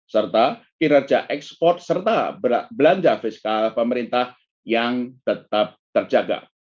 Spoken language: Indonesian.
serta kinerja ekspor serta belanja fiskal pemerintah yang tetap terjaga